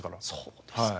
そうですか。